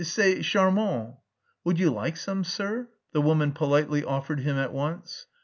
c'est charmant._" "Would you like some, sir?" the woman politely offered him at once.